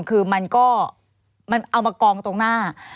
คือมันก็มันเอามากองตรงหน้า